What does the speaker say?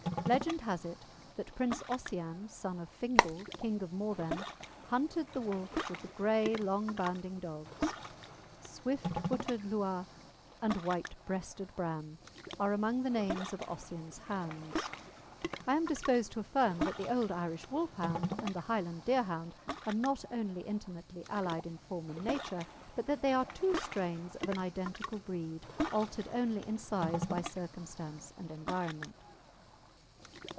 Legend has it that Prince Ossian, son of Fingal, King of Morven, hunted the wolf with the grey, long bounding dogs. "Swift footed Luath" and "White breasted Bran" are among the names of Ossian's hounds. I am disposed to affirm that the old Irish Wolfhound and the Highland Deerhound are not only intimately allied in form and nature, but that they are two strains of an identical breed, altered only in size by circumstance and environment.